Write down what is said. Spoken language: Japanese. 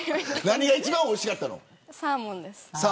何が一番おいしかったの。